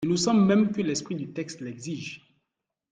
Il nous semble même que l’esprit du texte l’exige.